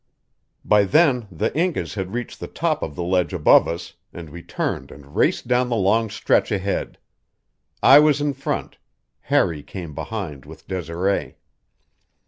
By then the Incas had reached the top of the ledge above us, and we turned and raced down the long stretch ahead. I was in front; Harry came behind with Desiree.